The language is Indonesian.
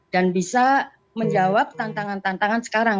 dan bisa menjawab tantangan tantangan sekarang